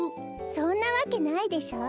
そんなわけないでしょ。